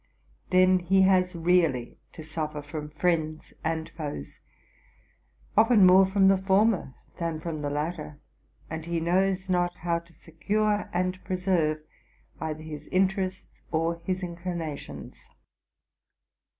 Then he has really to suffer from friends and foes, often more from the former than from the latter ; and he knows not how to secure and preserve either his inter ests or his inclinations.